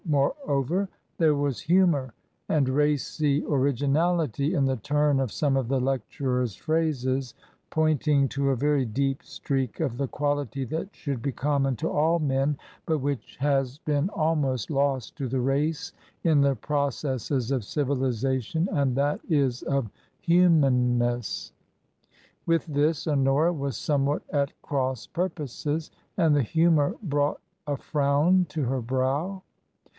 Moreover, there was humour and racy originality in the turn of some of the lecturer's phrases pointing to a very deep streak of the quality that should be common to all men, but which has been almost lost to the race in the processes of civ ilization — ^and that is of huntanness. With this Honora was somewhat at cross purposes, and the humour brought a frown to her brow.